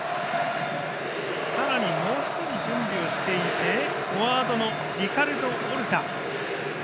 さらにもう一人、準備をしていてフォワードのリカルド・オルタ。